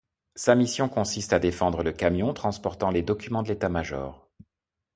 Sa mission consiste à défendre le camion transportant les documents de l'état-major.